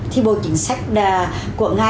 thì bộ chính sách của nga